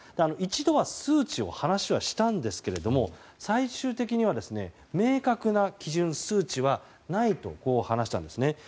１度は数値の話をしたんですけど最終的には明確な基準、数値はないと話したんですね。